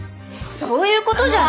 そういうことじゃ。